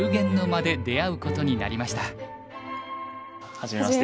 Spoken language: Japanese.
はじめまして。